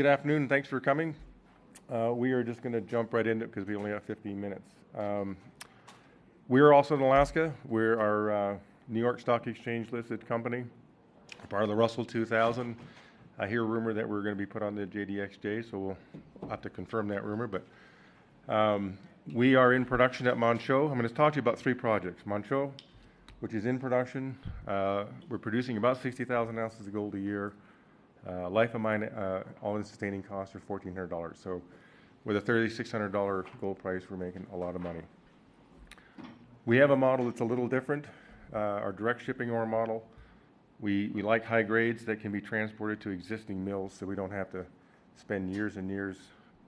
Good` afternoon and thanks for coming. We are just going to jump right in because we only have 15 minutes. We are also in Alaska. We're a New York Stock Exchange-listed company, part of the Russell 2000. I hear a rumor that we're going to be put on the GDXJ, so we'll have to confirm that rumor. But we are in production at Manh Choh. I'm going to talk to you about three projects: Manh Choh, which is in production. We're producing about 60,000 ounces of gold a year. Lifetime all-in sustaining costs are $1,400. So with a $3,600 gold price, we're making a lot of money. We have a model that's a little different: our direct shipping ore model. We like high grades that can be transported to existing mills so we don't have to spend years and years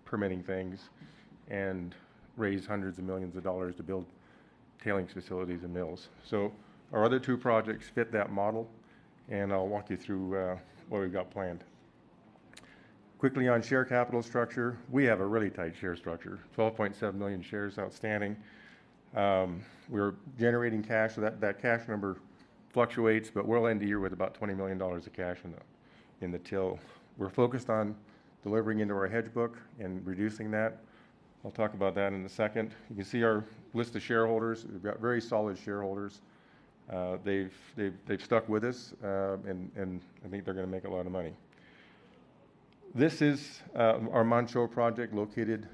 permitting things and raise hundreds of millions of dollars to build tailings facilities and mills. So our other two projects fit that model, and I'll walk you through what we've got planned. Quickly on share capital structure: we have a really tight share structure, 12.7 million shares outstanding. We're generating cash, so that cash number fluctuates, but we'll end the year with about $20 million of cash in the till. We're focused on delivering into our hedge book and reducing that. I'll talk about that in a second. You can see our list of shareholders. We've got very solid shareholders. They've stuck with us, and I think they're going to make a lot of money. This is our Manh Choh project, located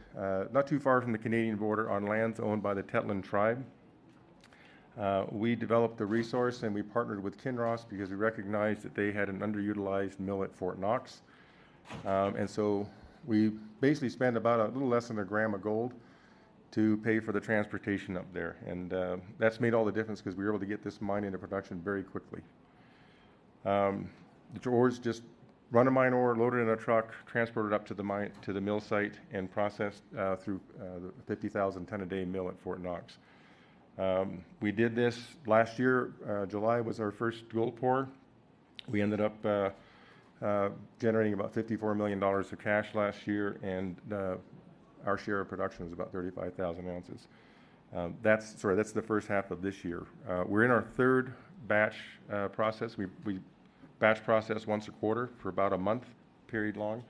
not too far from the Canadian border on lands owned by the Tetlin Tribe. We developed the resource, and we partnered with Kinross because we recognized that they had an underutilized mill at Fort Knox. And so we basically spent about a little less than a gram of gold to pay for the transportation up there. And that's made all the difference because we were able to get this mine into production very quickly. The ore's just run-of-mine ore, load it in a truck, transport it up to the mill site, and process through the 50,000-ton-a-day mill at Fort Knox. We did this last year. July was our first gold pour. We ended up generating about $54 million of cash last year, and our share of production was about 35,000 ounces. That's the first half of this year. We're in our third batch process. We batch process once a quarter for about a month period long.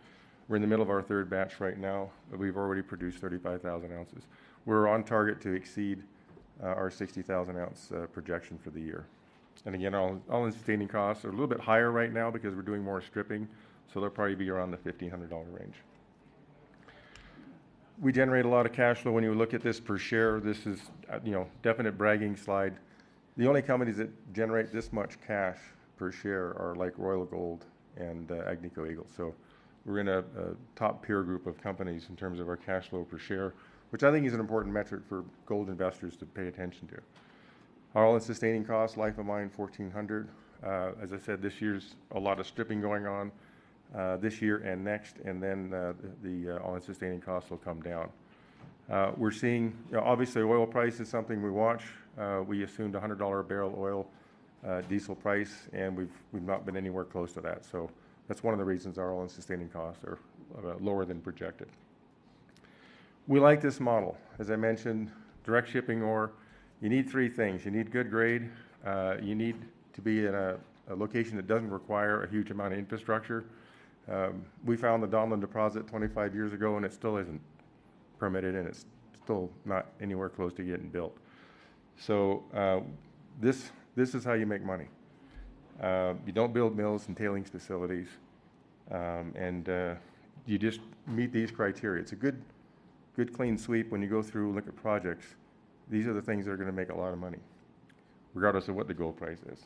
We're in the middle of our third batch right now, but we've already produced 35,000 ounces. We're on target to exceed our 60,000-ounce projection for the year. And again, all-in sustaining costs are a little bit higher right now because we're doing more stripping, so they'll probably be around the $1,500 range. We generate a lot of cash flow. When you look at this per share, this is definite bragging slide. The only companies that generate this much cash per share are like Royal Gold and Agnico Eagle. So we're in a top-tier group of companies in terms of our cash flow per share, which I think is an important metric for gold investors to pay attention to. Our all-in sustaining costs, lifetime mine $1,400. As I said, this year's a lot of stripping going on this year and next, and then the all-in sustaining costs will come down. We're seeing, obviously, oil price is something we watch. We assumed a $100 a barrel oil diesel price, and we've not been anywhere close to that. So that's one of the reasons our all-in sustaining costs are lower than projected. We like this model. As I mentioned, direct shipping ore, you need three things. You need good grade. You need to be in a location that doesn't require a huge amount of infrastructure. We found the Donlin deposit 25 years ago, and it still isn't permitted, and it's still not anywhere close to getting built. So this is how you make money. You don't build mills and tailings facilities, and you just meet these criteria. It's a good, clean sweep when you go through and look at projects. These are the things that are going to make a lot of money, regardless of what the gold price is.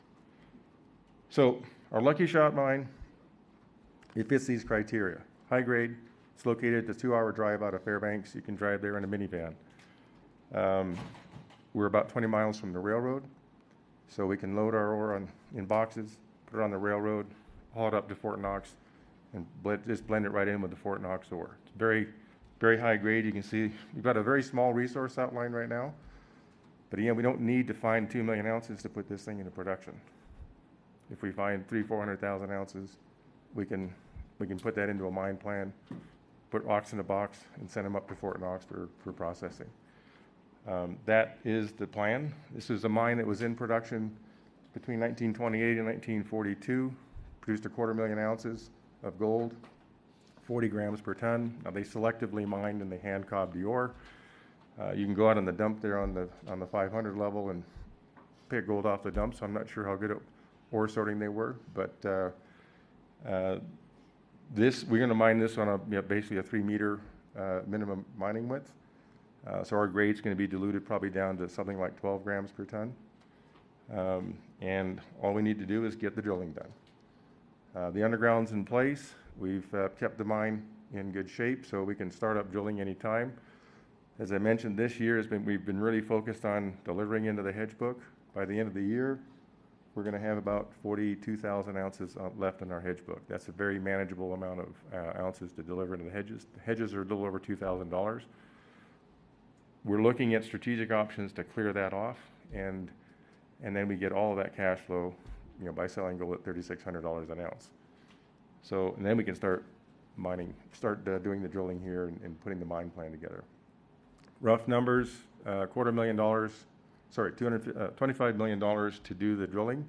So our Lucky Shot mine, it fits these criteria. High grade. It's located just a two-hour drive out of Fairbanks. You can drive there in a minivan. We're about 20 miles from the railroad, so we can load our ore in boxes, put it on the railroad, haul it up to Fort Knox, and just blend it right in with the Fort Knox ore. It's very high grade. You can see we've got a very small resource outline right now, but again, we don't need to find 2 million ounces to put this thing into production. If we find 300,000, 400,000 ounces, we can put that into a mine plan, put rocks in a box, and send them up to Fort Knox for processing. That is the plan. This was a mine that was in production between 1928 and 1942, produced 250,000 ounces of gold, 40 grams per ton. Now, they selectively mined, and they hand-cobbed the ore. You can go out on the dump there on the 500 level and pick gold off the dump, so I'm not sure how good at ore sorting they were, but we're going to mine this on basically a three-meter minimum mining width. So our grade's going to be dilutive probably down to something like 12 grams per ton. And all we need to do is get the drilling done. The underground's in place. We've kept the mine in good shape so we can start up drilling any time. As I mentioned, this year we've been really focused on delivering into the hedge book. By the end of the year, we're going to have about 42,000 ounces left in our hedge book. That's a very manageable amount of ounces to deliver into the hedges. The hedges are a little over $2,000. We're looking at strategic options to clear that off, and then we get all of that cash flow by selling gold at $3,600 an ounce, and then we can start doing the drilling here and putting the mine plan together. Rough numbers: $25 million to do the drilling,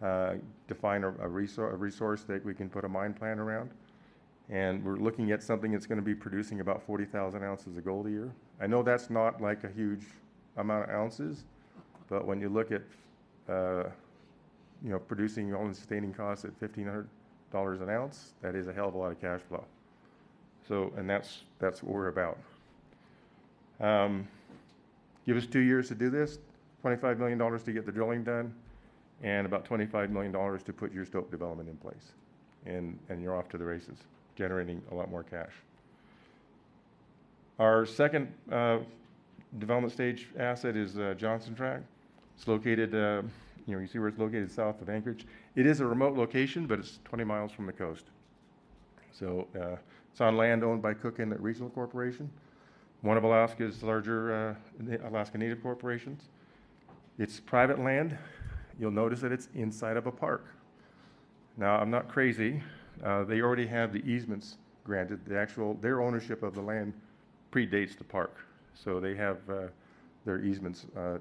to find a resource that we can put a mine plan around, and we're looking at something that's going to be producing about 40,000 ounces of gold a year. I know that's not like a huge amount of ounces, but when you look at all-in sustaining costs at $1,500 an ounce, that is a hell of a lot of cash flow. And that's what we're about. Give us two years to do this, $25 million to get the drilling done, and about $25 million to put your stope development in place, and you're off to the races generating a lot more cash. Our second development stage asset is Johnson Tract. It's located, you see where it's located, south of Anchorage. It is a remote location, but it's 20 miles from the coast. So it's on land owned by Cook Inlet Region, Inc., one of Alaska's larger Alaska Native corporations. It's private land. You'll notice that it's inside of a park. Now, I'm not crazy. They already have the easements granted. Their ownership of the land predates the park, so they have their easements to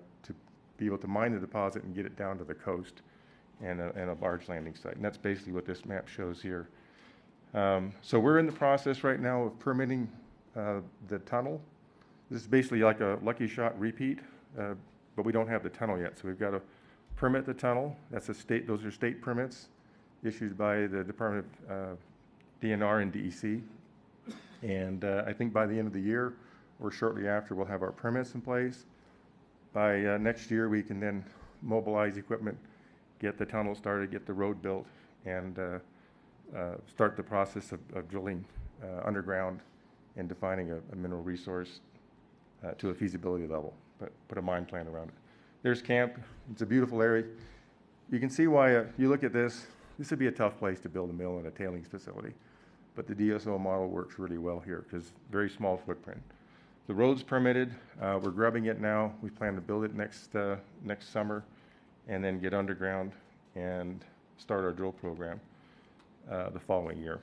be able to mine the deposit and get it down to the coast and a large landing site. And that's basically what this map shows here. So we're in the process right now of permitting the tunnel. This is basically like a Lucky Shot repeat, but we don't have the tunnel yet, so we've got to permit the tunnel. Those are state permits issued by the Department of DNR and DEC. And I think by the end of the year, or shortly after, we'll have our permits in place. By next year, we can then mobilize equipment, get the tunnel started, get the road built, and start the process of drilling underground and defining a mineral resource to a feasibility level, put a mine plan around it. There's Camp. It's a beautiful area. You can see why if you look at this, this would be a tough place to build a mill and a tailings facility, but the DSO model works really well here because very small footprint. The road's permitted. We're grubbing it now. We plan to build it next summer and then get underground and start our drill program the following year.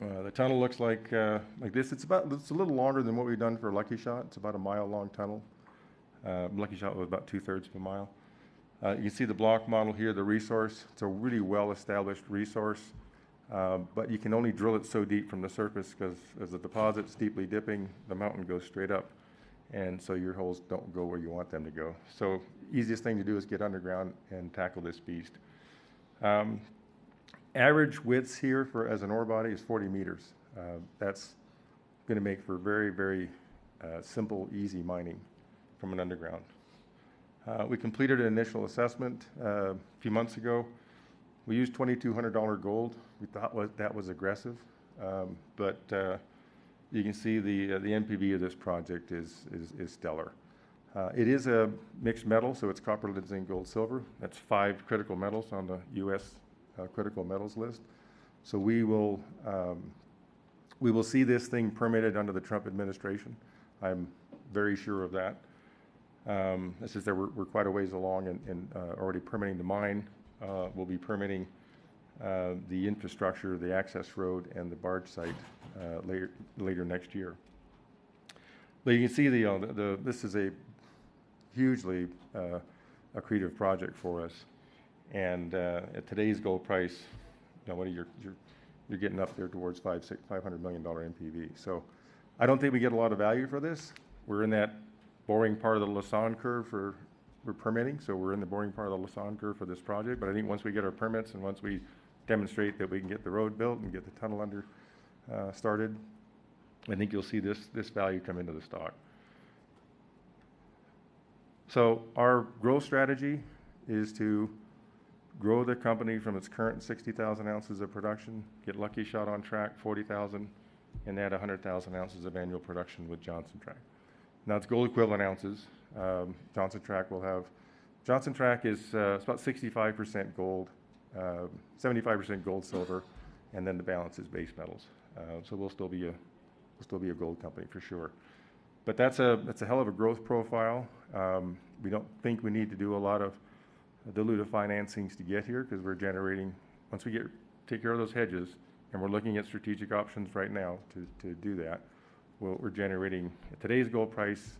The tunnel looks like this. It's a little longer than what we've done for Lucky Shot. It's about a mile-long tunnel. Lucky Shot was about two-thirds of a mile. You can see the block model here, the resource. It's a really well-established resource, but you can only drill it so deep from the surface because as the deposit's deeply dipping, the mountain goes straight up, and so your holes don't go where you want them to go. The easiest thing to do is get underground and tackle this beast. Average widths here as an ore body is 40 meters. That's going to make for very, very simple, easy mining from an underground. We completed an initial assessment a few months ago. We used $2,200 gold. We thought that was aggressive, but you can see the NPV of this project is stellar. It is a mixed metal, so it's copper, lead, zinc, gold, silver. That's five critical metals on the U.S. critical metals list. We will see this thing permitted under the Trump administration. I'm very sure of that. The fact that we're quite a ways along in already permitting the mine. We'll be permitting the infrastructure, the access road, and the barge site later next year. You can see this is a hugely accretive project for us. At today's gold price, you're getting up there towards $500 million NPV. So I don't think we get a lot of value for this. We're in that boring part of the Lassonde Curve for permitting, so we're in the boring part of the Lassonde Curve for this project. But I think once we get our permits and once we demonstrate that we can get the road built and get the tunnel under started, I think you'll see this value come into the stock. So our growth strategy is to grow the company from its current 60,000 ounces of production, get Lucky Shot on track 40,000, and add 100,000 ounces of annual production with Johnson Tract. Now, it's gold-equivalent ounces. Johnson Tract is about 65% gold, 75% gold, silver, and then the balance is base metals. So we'll still be a gold company for sure. But that's a hell of a growth profile. We don't think we need to do a lot of dilutive financings to get here because we're generating once we take care of those hedges and we're looking at strategic options right now to do that, we're generating today's gold price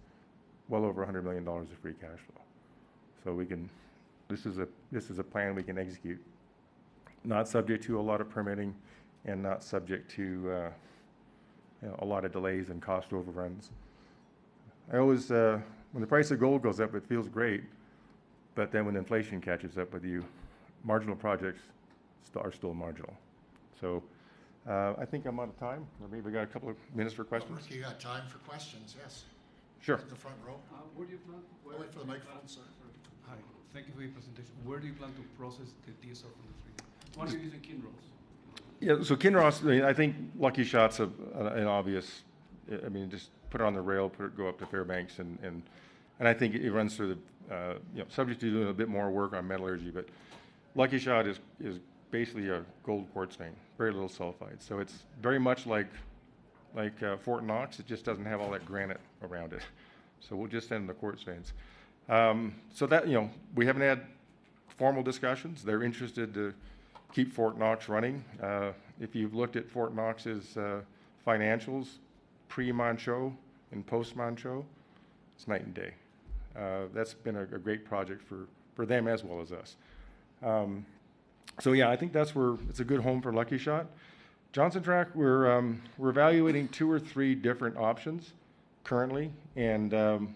well over $100 million of free cash flow. So this is a plan we can execute, not subject to a lot of permitting and not subject to a lot of delays and cost overruns. When the price of gold goes up, it feels great, but then when inflation catches up with you, marginal projects are still marginal. So I think I'm out of time. Or maybe we've got a couple of minutes for questions. Of course, you've got time for questions. Yes. Sure. The front row. Where do you plan to. Well, for the microphone, sorry. Hi. Thank you for your presentation. Where do you plan to process the DSO from the Lucky Shot? Why don't you use the Kinross? Yeah. So Kinross, I think Lucky Shot's an obvious—I mean, just put it on the rail, go up to Fairbanks. And I think it runs through the subject to doing a bit more work on metallurgy, but Lucky Shot is basically a gold quartz vein, very little sulfide. So it's very much like Fort Knox. It just doesn't have all that granite around it. So we'll just send the quartz veins. So we haven't had formal discussions. They're interested to keep Fort Knox running. If you've looked at Fort Knox's financials, pre-Manh Choh and post-Manh Choh, it's night and day. That's been a great project for them as well as us. So yeah, I think that's where it's a good home for Lucky Shot. Johnson Tract, we're evaluating two or three different options currently, and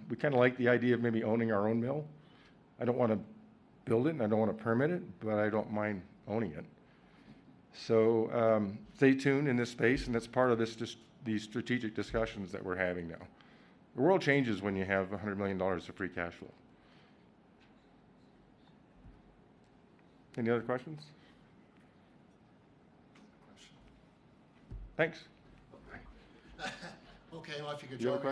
we kind of like the idea of maybe owning our own mill. I don't want to build it, and I don't want to permit it, but I don't mind owning it. So stay tuned in this space, and that's part of these strategic discussions that we're having now. The world changes when you have $100 million of free cash flow. Any other questions? Thanks. Okay, well, I figured you already.